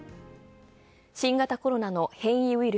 新型コロナの変異ウイル